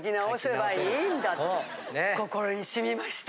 心にしみました。